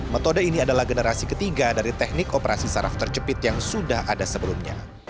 metode ini adalah generasi ketiga dari teknik operasi saraf terjepit yang sudah ada sebelumnya